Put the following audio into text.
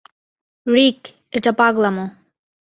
রিক, এটা পাগলামো।